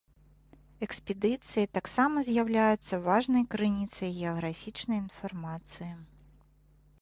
Экспедыцыі таксама з'яўляюцца важнай крыніцай геаграфічнай інфармацыі.